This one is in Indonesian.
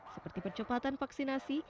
seperti percepatan vaksinasi